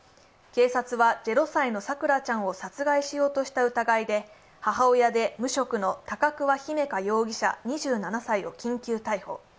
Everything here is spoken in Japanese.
警察は０歳の咲桜ちゃんを殺害しようとした疑いで母親で無職の高桑姫華容疑者２７歳を緊急逮捕。